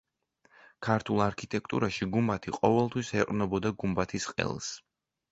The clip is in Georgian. ქართულ არქიტექტურაში გუმბათი ყოველთვის ეყრდნობა გუმბათის ყელს.